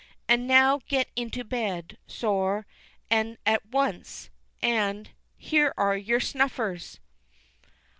"And now get into bed, sor, and at once; and here are your snuffers!"